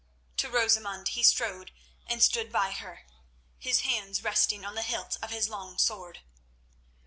To Rosamund he strode and stood by her, his hands resting on the hilt of his long sword.